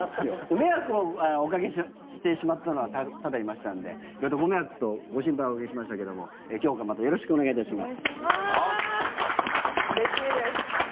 迷惑をおかけしてしまったのは多々いましたので色々とご迷惑とご心配をおかけしましたけども今日からまたよろしくお願いいたします。